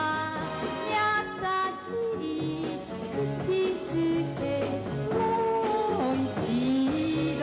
「やさしいくちづけもういちど」